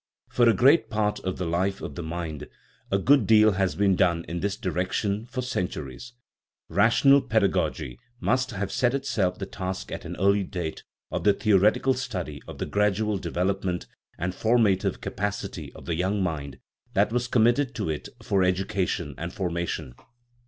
For a great part of the life of the mind a good deal has been done in this direction for centuries ; rational pedagogy must have set itself the task at an early date of the theoret ical study of the gradual development and formative capacity of the young mind that was committed to it for education and formation.